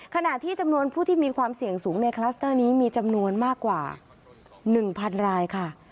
ขณะที่จำนวนผู้ที่มีความเสี่ยงสูงในคลัสเตอร์นี้มีจำนวนมากกว่า๑๐๐รายค่ะ